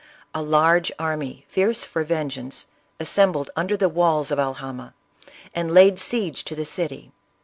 A large army, fierce for vengeance, assembled under the walls of Alhama, and laid siege to the city.